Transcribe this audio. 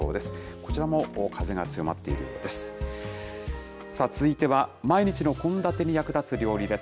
こちらも風が強まっているようです。